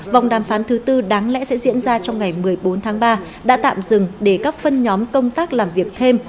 vòng đàm phán thứ tư đáng lẽ sẽ diễn ra trong ngày một mươi bốn tháng ba đã tạm dừng để các phân nhóm công tác làm việc thêm